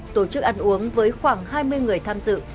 tổ chức ăn uống với khoảng hai mươi người tham dự